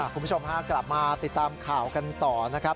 คุณผู้ชมฮะกลับมาติดตามข่าวกันต่อนะครับ